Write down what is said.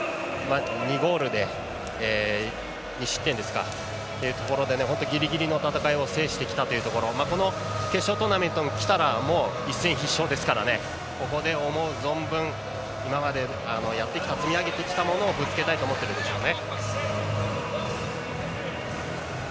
２ゴールで２失点で本当にギリギリの戦いを制してきたというところこの決勝トーナメントに来たらもう一戦必勝なのでここで思う存分、今までやってきた積み上げてきたものをぶつけたいと思っているでしょうね。